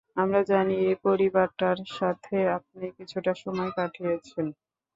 আমরা জানি, এই পরিবারটার সাথে আপনি কিছুটা সময় কাটিয়েছেন।